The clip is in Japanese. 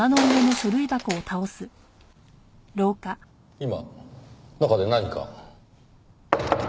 今中で何か。